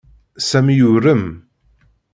Sami yurem.